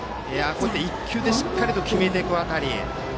１球でしっかりと決めていく辺り。